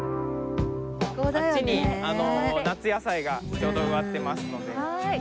あっちに夏野菜がちょうど植わってますので。